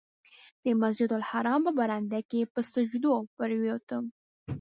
د مسجدالحرام په برنډه کې په سجده پرېوتم.